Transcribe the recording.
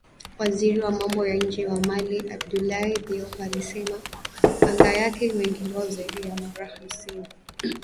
Waziri wa Mambo ya Nje wa Mali Abdoulaye Diop alisema anga yake imeingiliwa zaidi ya mara hamsini